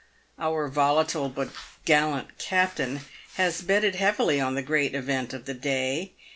Our volatile but gallant captain has betted heavily on the great event of the day.